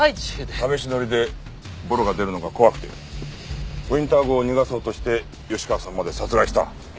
試し乗りでボロが出るのが怖くてウィンター号を逃がそうとして吉川さんまで殺害した。